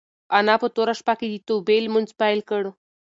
انا په توره شپه کې د توبې لمونځ پیل کړ.